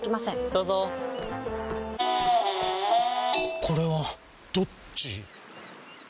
どうぞこれはどっち？